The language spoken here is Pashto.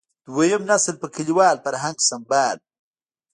دویم نسل د کلیوال فرهنګ سمبال و.